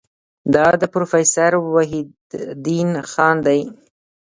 دا د پروفیسور وحیدالدین خان دی.